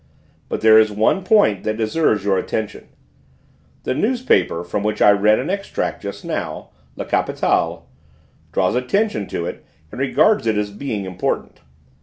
But there is one point that deserves your attention: the newspaper from which I read an extract just now, La Capitale, draws attention to it and regards it as being important.